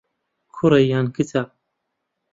کوڕە یان کچە؟